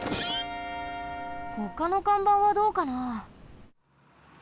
ほかのかんばんはどうかな？